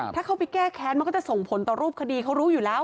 ถ้าเข้าไปแก้แค้นมันก็จะส่งผลต่อรูปคดีเขารู้อยู่แล้ว